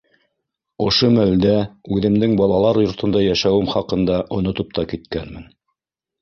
Ошо мәлдә үҙемдең балалар йортонда йәшәүем хаҡында онотоп та киткәнмен.